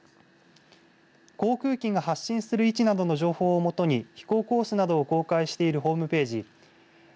航空機が発進する位置などの情報を基に飛行コースなどを公開しているホームページ